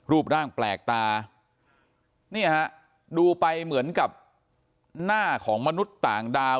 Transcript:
รูปร่างแปลกตาเนี่ยฮะดูไปเหมือนกับหน้าของมนุษย์ต่างดาว